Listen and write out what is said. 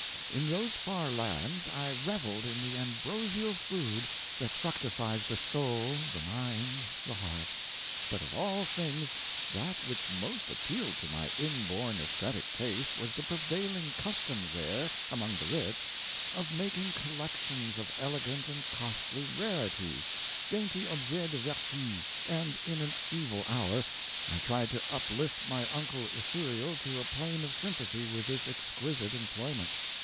In those far lands I reveled in the ambrosial food that fructifies the soul, the mind, the heart. But of all things, that which most appealed to my inborn esthetic taste was the prevailing custom there, among the rich, of making collections of elegant and costly rarities, dainty objets de vertu, and in an evil hour I tried to uplift my uncle Ithuriel to a plane of sympathy with this exquisite employment.